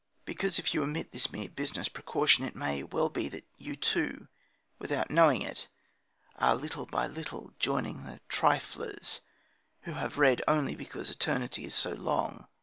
Because, if you omit this mere business precaution, it may well be that you, too, without knowing it, are little by little joining the triflers who read only because eternity is so long.